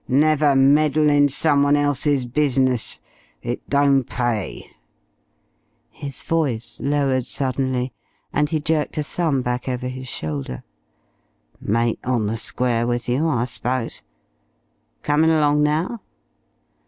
Never meddle in someone else's business. It don't pay." His voice lowered suddenly, and he jerked a thumb back over his shoulder. "Mate on the square with you, I s'pose? Comin' along now?"